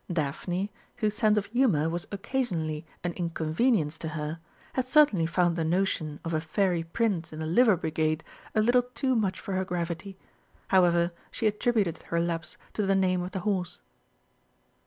Daphne, whose sense of humour was occasionally an inconvenience to her, had certainly found the notion of a Fairy Prince in the Liver Brigade a little too much for her gravity. However, she attributed her lapse to the name of the horse.